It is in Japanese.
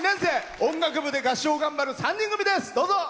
音楽部で合唱を頑張る３人組です。